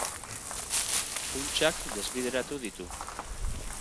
Funtsak desbideratu ditu.